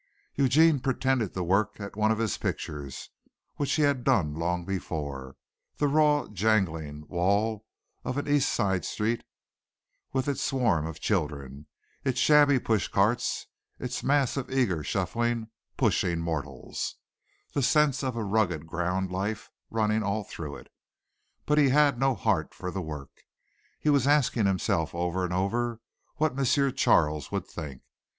Eugene pretended to work at one of his pictures which he had done long before the raw jangling wall of an East Side street with its swarms of children, its shabby push carts, its mass of eager, shuffling, pushing mortals, the sense of rugged ground life running all through it, but he had no heart for the work. He was asking himself over and over what M. Charles would think.